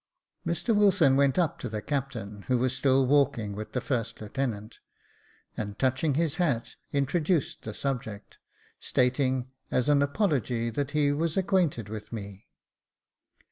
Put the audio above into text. Mr Wilson went up to the captain, who was still walking with the first lieutenant, and touching his hat introduced the subject, stating, as an apology, that he was acquainted with me.